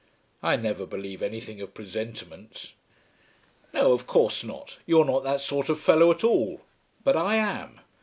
"I never believe anything of presentiments." "No; of course not. You're not that sort of fellow at all. But I am.